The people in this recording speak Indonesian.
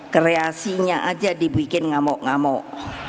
kreasinya aja dibikin ngamuk ngamuk